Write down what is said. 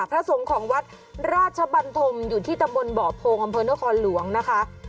พระสงฆ์ของวัดราชบันธมอยู่ที่ตำบลบ่อโพงอำเภอนครหลวงนะคะ